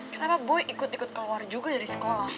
kenapa boy ikut keluar juga dari sekolah